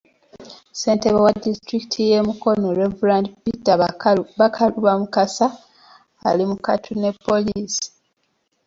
Ssentebe wa disitulikiti y'e Mukono, Reverand Peter Bakaluba Mukasa, ali mu kattu ne pollisi.